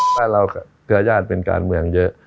บ้านเราก็เกือบญาติเป็นการเมืองเยอะ